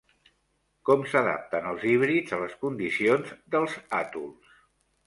Com s'adapten els híbrids a les condicions dels atols?